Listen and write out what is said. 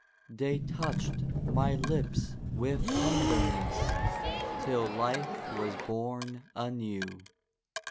They touched my lips with tenderness, Till life was born anew.